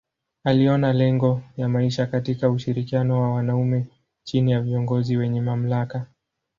Aliona lengo ya maisha katika ushirikiano wa wanaume chini ya viongozi wenye mamlaka.